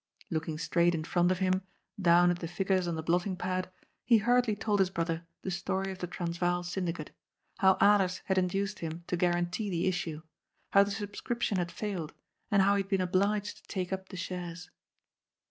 Looking straight in front of him, down at the figures on the blotting pad, he hurriedly told his brother the story of the Transvaal syndicate, how Alers had induced him to guarantee the issue, how the subscription had failed, and how he had been obliged to take up the shares.